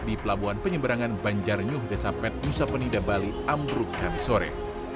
di pelabuhan penyeberangan banjarnyuh desa pet usapenida bali ambruk khamisore